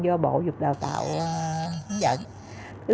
do bộ dục đào tạo hướng dẫn